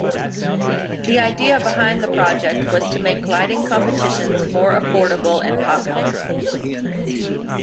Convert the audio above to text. The idea behind the project was to make gliding competitions more affordable and popular.